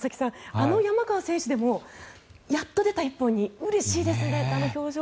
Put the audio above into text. あの山川選手でもやっと出た１本にうれしいですねってあの表情。